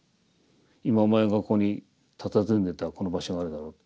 「今お前がここにたたずんでたこの場所があるだろう。